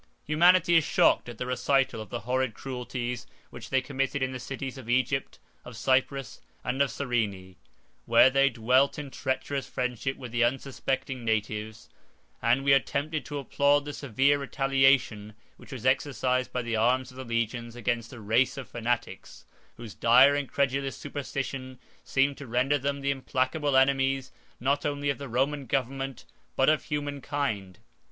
Humanity is shocked at the recital of the horrid cruelties which they committed in the cities of Egypt, of Cyprus, and of Cyrene, where they dwelt in treacherous friendship with the unsuspecting natives; 1 and we are tempted to applaud the severe retaliation which was exercised by the arms of the legions against a race of fanatics, whose dire and credulous superstition seemed to render them the implacable enemies not only of the Roman government, but of human kind.